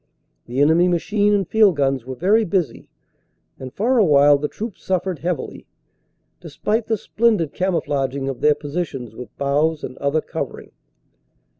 The enemy machine and field guns were very busy, and for a while the troops suffered heavily, despite the splendid camouflaging of their positions with boughs and other covering.